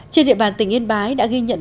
trên địa bàn tỉnh yên bái đã ghi nhận